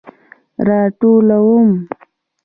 راټولوم